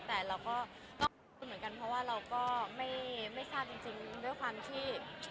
แต่เราก็เหมือนกันเพราะว่าเราก็ไม่ทราบจริงด้วยความที่